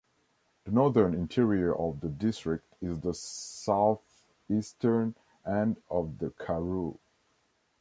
The northern interior of the district is the southeastern end of the Karoo.